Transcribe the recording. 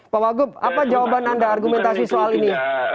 pak wagub apa jawaban anda argumentasi soal ini